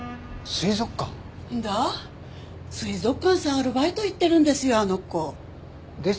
水族館さアルバイト行ってるんですよ